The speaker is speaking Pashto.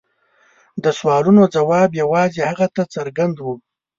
د سوالونو ځواب یوازې هغه ته څرګند و.